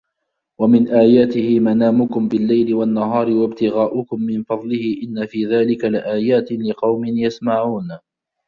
وَمِن آياتِهِ مَنامُكُم بِاللَّيلِ وَالنَّهارِ وَابتِغاؤُكُم مِن فَضلِهِ إِنَّ في ذلِكَ لَآياتٍ لِقَومٍ يَسمَعونَ